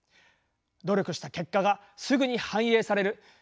努力した結果がすぐに反映される。